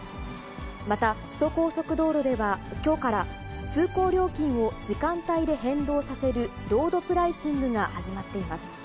また首都高速道路では、きょうから、通行料金を時間帯で変動させるロードプライシングが始まっています。